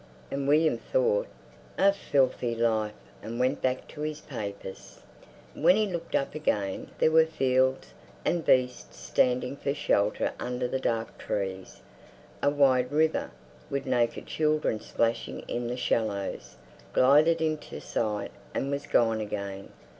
And William thought, "A filthy life!" and went back to his papers. When he looked up again there were fields, and beasts standing for shelter under the dark trees. A wide river, with naked children splashing in the shallows, glided into sight and was gone again.